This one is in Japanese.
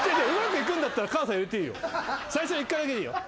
最初の１回だけでいいよ。